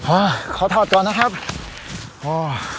โอ้ขอถอดก่อนนะครับโอ้